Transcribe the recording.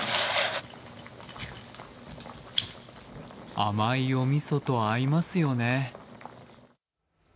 甘いおみそと合いますよね。